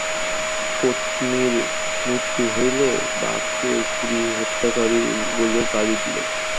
পত্নীর মৃত্যু হইলে বাপকে স্ত্রীহত্যাকারী বলিয়া গালি দিল।